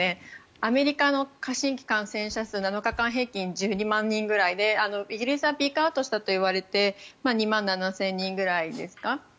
アメリカの新規感染者数７日間平均１２万人ぐらいでイギリスはピークアウトしたといわれて２万７０００人ぐらいですか。